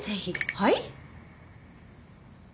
はい？